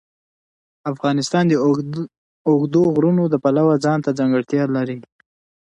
افغانستان د اوږده غرونه د پلوه ځانته ځانګړتیا لري.